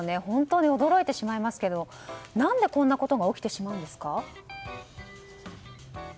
本当に驚いてしまいますけど何でこんなことが起きてしまうんですか？